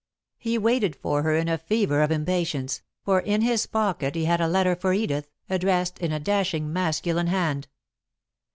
He waited for her in a fever of impatience, for in his pocket he had a letter for Edith, addressed in a dashing masculine hand.